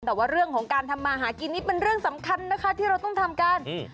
แต่ว่าเรื่องของการทำมาหากินนี่เป็นเรื่องสำคัญนะคะที่เราต้องทำกันอืม